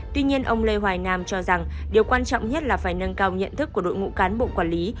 tuy nhiên ông lê hoài nam cho rằng điều quan trọng nhất là phải nâng cao nhận thức của đội ngũ cán bộ quản lý